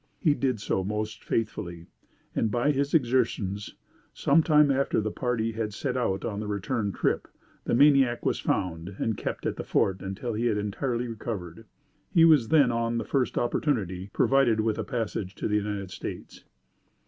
He did so most faithfully; and, by his exertions, some time after the party had set out on the return trip, the maniac was found and kept at the Fort until he had entirely recovered. He was then, on the first opportunity, provided with a passage to the United States.